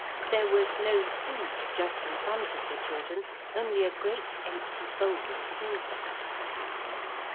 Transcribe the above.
There was no food just in front of the children, only a great empty bowl of silver.